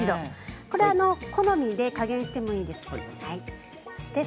好みで加減してもいいです。